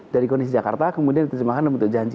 dari kondisi jakarta kemudian terjemahkan untuk janji